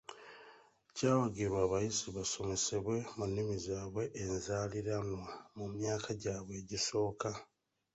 Kyawagirwa abayizi basomesebwe mu nnimi zaabwe enzaaliranwa mu myaka gyabwe egisooka.